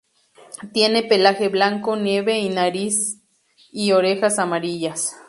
Tiene pelaje blanco nieve y nariz y orejas amarillas.